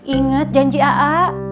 ingat janji aa